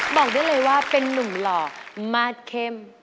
บอกได้เลยว่าเป็นนุ่มหล่อมาสเข้ม